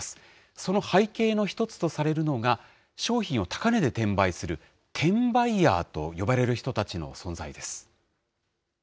その背景の一つとされるのが、商品を高値で転売する、転売ヤーと呼ばれる人たちの存在です。